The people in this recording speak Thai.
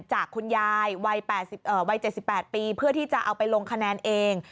จากคุณยายวัย๗๘ปีเพื่อที่จะเอาไปลงคะแนนเอง